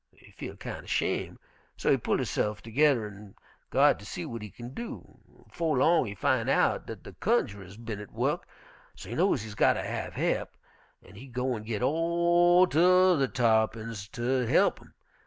He feel kind er 'shame', so he pull hisse'f toge'rr an' go out ter see w'at he kin do. 'Fo' long he fin' out dat de cunjerers bin at wu'k, so he know he gotter have he'p, an' he go an' git all tu'rr tarr'pins ter he'p him.